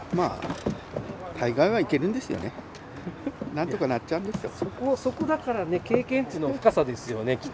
なんとかなっちゃうんですよ。